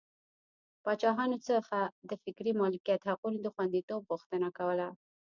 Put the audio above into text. پاچاهانو څخه د فکري مالکیت حقونو د خوندیتوب غوښتنه کوله.